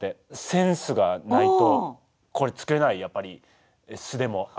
センスがないとこれつくれないやっぱり巣でもあるし。